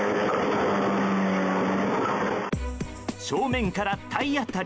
正面から体当たり。